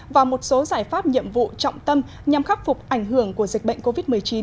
và một số giải pháp nhiệm vụ trọng tâm nhằm khắc phục ảnh hưởng của dịch bệnh covid một mươi chín